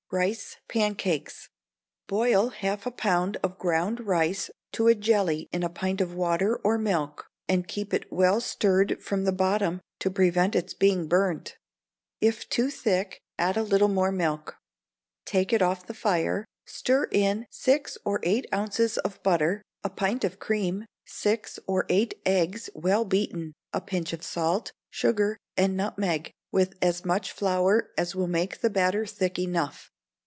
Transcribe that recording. Rice Pancakes. Boil half a pound of ground rice to a jelly in a pint of water or milk, and keep it well stirred from the bottom to prevent its being burnt; if too thick add a little more milk; take it off the fire; stir in six or eight ounces of butter, a pint of cream, six or eight eggs well beaten, a pinch of salt, sugar, and nutmeg, with as much flour as will make the batter thick enough.